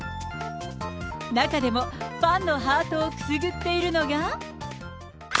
中でも、ファンのハートをくすぐっているのが。